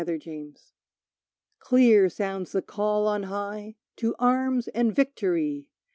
Battle Song. Clear sounds the call on high: "To arms and victory!"